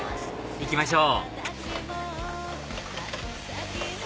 行きましょう！